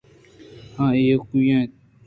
آ ایوک اِنت